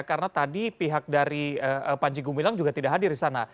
karena tadi pihak dari panji gumilang juga tidak hadir di sana